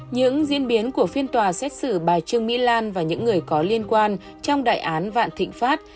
những diễn biến của phiên tòa xét xử bà trương mỹ lan và những người có liên quan trong đại án vạn thịnh pháp